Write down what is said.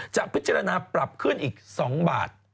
จะพิจารณาปรับขึ้นอีก๒บาท